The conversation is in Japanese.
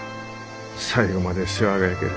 最後まで世話が焼ける。